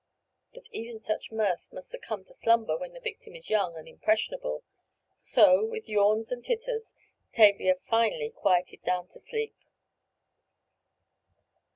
But even such mirth must succumb to slumber when the victim is young and impressionable, so, with yawns and titters, Tavia finally quieted down to sleep.